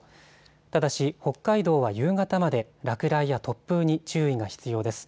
ただし北海道は夕方まで落雷や突風に注意が必要です。